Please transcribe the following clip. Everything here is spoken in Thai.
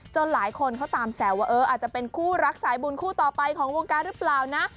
หลายคนเขาตามแซวว่าเอออาจจะเป็นคู่รักสายบุญคู่ต่อไปของวงการหรือเปล่านะ